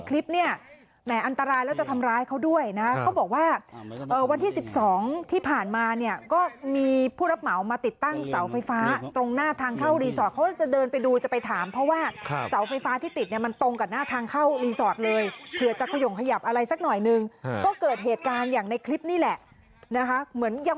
คลิปเนี่ยแหมอันตรายแล้วจะทำร้ายเขาด้วยนะเขาบอกว่าวันที่๑๒ที่ผ่านมาเนี่ยก็มีผู้รับเหมามาติดตั้งเสาไฟฟ้าตรงหน้าทางเข้ารีสอร์ทเขาจะเดินไปดูจะไปถามเพราะว่าเสาไฟฟ้าที่ติดเนี่ยมันตรงกับหน้าทางเข้ารีสอร์ทเลยเผื่อจะขยงขยับอะไรสักหน่อยนึงก็เกิดเหตุการณ์อย่างในคลิปนี่แหละนะคะเหมือนยัง